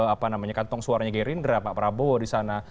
apa namanya kantong suaranya gerindra pak prabowo di sana